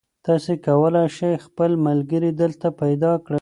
تاسي کولای شئ خپل ملګري دلته پیدا کړئ.